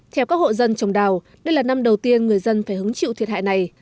theo các hộ dân trồng đào đây là năm đầu tiên người dân phải hứng chịu thiệt hại này